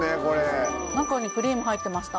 中にクリーム入ってました。